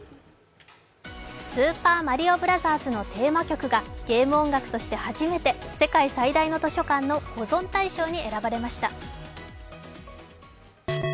「スーパーマリオブラザーズ」のテーマ曲がゲーム音楽として初めて世界最大の図書館の保存対象に選ばれました。